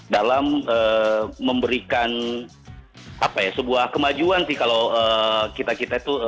dalam memberikan apa ya sebuah kemajuan sih kalau kita kita itu